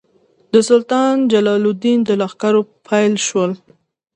د سلطان جلال الدین له لښکرو بېل شول.